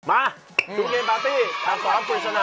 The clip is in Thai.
มาทุกเกมปาร์ตี้ทางข้อพอปริฉนะ